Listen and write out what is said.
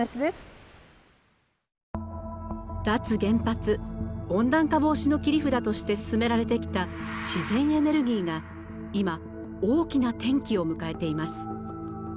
脱原発温暖化防止の切り札として進められてきた自然エネルギーが今大きな転機を迎えています。